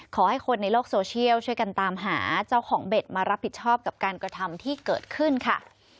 ขอให้คนในโลกโซเชียลช่วยกันตามหาเจ้าของเบ็ดมารับผิดชอบกับการกระทำที่เกิดขึ้นค่ะ